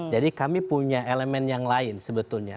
jadi kami punya elemen yang lain sebetulnya